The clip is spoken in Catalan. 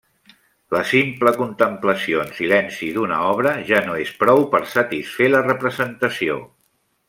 La simple contemplació en silenci d'una obra ja no és prou per satisfer la representació.